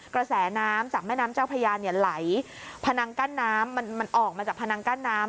กระแสน้ำจากแม่น้ำเจ้าพญาเนี่ยไหลพนังกั้นน้ำมันออกมาจากพนังกั้นน้ำ